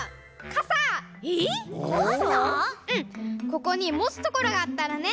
ここにもつところがあったらね。